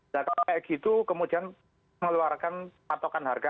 dan kalau kayak gitu kemudian mengeluarkan patokan harga